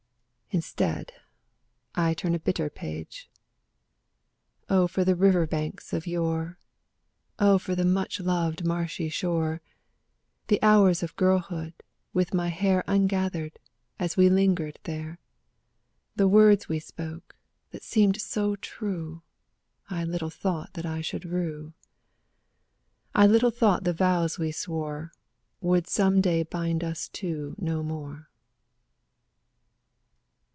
— Instead, I turn a bitter page. Oh for the river banks of yore; Oh for the much loved marshy shore; The hours of girlhood, with my hair Ungathered, as we lingered there. The words we spoke, that seemed so true, I little thought that I should rue; I little thought the vows we swore Would some day bind us two no more.